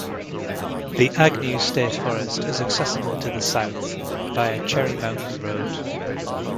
The Agnew State Forest is accessible to the south, via Cherry Mountain Road.